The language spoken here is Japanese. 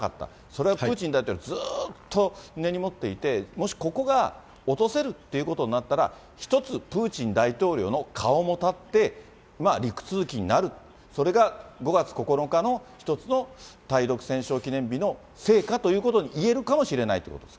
それはプーチン大統領、ずっと根に持っていて、もしここが落とせるっていうことになったら、一つ、プーチン大統領の顔もたって、陸続きになる、それが５月９日の一つの対独戦勝記念日の成果ということに言えるはい。